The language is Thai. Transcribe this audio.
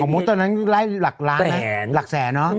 ของมดตอนนั้นไล่หลักแสนเนาะ